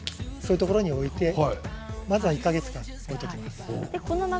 そういうところに置いてまずは１か月間置いてください。